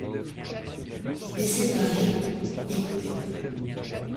Il laissait parler, il écoutait.